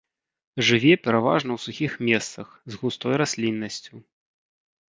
Жыве пераважна ў сухіх месцах, з густой расліннасцю.